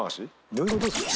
どういうことっすか？